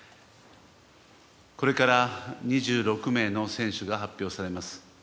これから２６名の選手が発表されます。